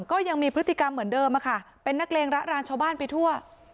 ก็ยังมีพฤติกรรมเหมือนเดิมค่ะเป็นนักเลงระรานชาวบ้านไปทั่ว